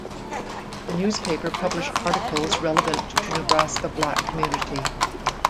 The newspaper published articles relevant to Nebraska black community.